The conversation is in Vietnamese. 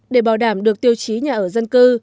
để bảo đảm được tiêu chí nhà ở dân cư